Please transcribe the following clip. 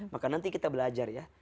maka nanti kita belajar ya